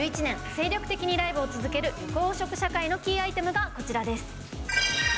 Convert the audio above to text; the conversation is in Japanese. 精力的にライブを続ける緑黄色社会のキーアイテムです。